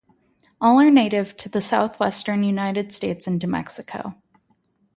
All are native to the southwestern United States and to Mexico.